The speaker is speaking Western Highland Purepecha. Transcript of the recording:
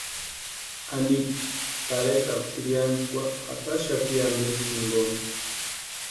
Anita tarhetarhu tʼirhiantsikwa jataxati Andresini jinkoni.